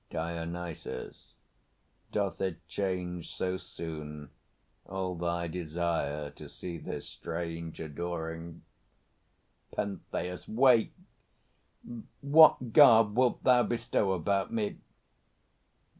DIONYSUS. Doth it change So soon, all thy desire to see this strange Adoring? PENTHEUS. Wait! What garb wilt thou bestow About me?